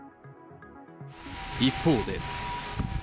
一方で。